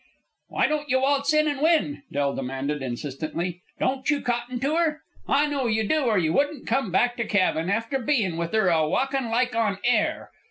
"Why don't you waltz in and win?" Del demanded, insistently. "Don't you cotton to her? I know you do, or you wouldn't come back to cabin, after bein' with her, a walkin' like on air.